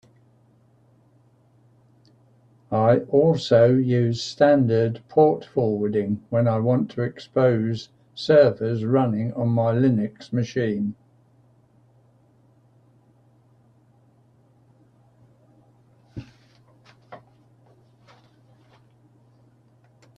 I also use standard port forwarding when I want to expose servers running on my Linux machine.